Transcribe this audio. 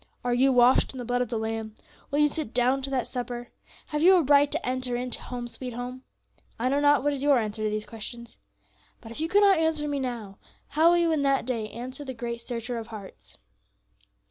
"Are you washed in the blood of the Lamb? Will you sit down to that supper? Have you a right to enter into 'Home, sweet Home?' I know not what is your answer to these questions. But if you cannot answer me now, how will you in that day answer the Great Searcher of hearts?"